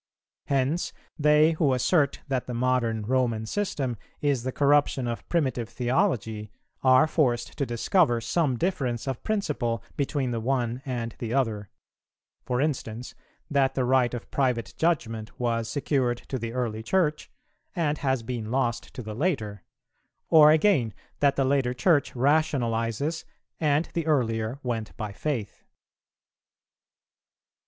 Hence they who assert that the modern Roman system is the corruption of primitive theology are forced to discover some difference of principle between the one and the other; for instance, that the right of private judgment was secured to the early Church and has been lost to the later, or, again, that the later Church rationalizes and the earlier went by faith.